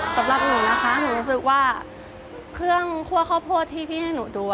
สำหรับหนูนะคะหนูรู้สึกว่าเครื่องคั่วข้าวโพดที่พี่ให้หนูดู